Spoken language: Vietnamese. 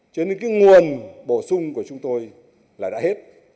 cho nên cái nguồn bổ sung của chúng tôi là đã hết